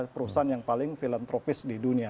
perusahaan yang paling filantropis di dunia